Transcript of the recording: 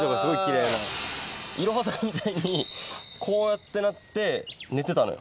いろは坂みたいにこうやってなって寝てたのよ。